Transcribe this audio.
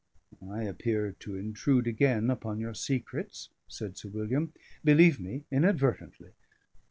"I appear to intrude again upon your secrets," said Sir William, "believe me, inadvertently.